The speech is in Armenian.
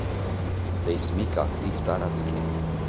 Սեյսմիկ ակտիվ տարածք է։